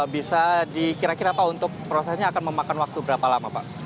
bisa dikira kira pak untuk prosesnya akan memakan waktu berapa lama pak